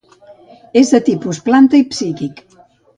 És de tipus planta i psíquic.